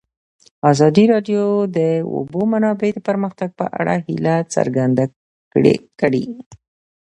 ازادي راډیو د د اوبو منابع د پرمختګ په اړه هیله څرګنده کړې.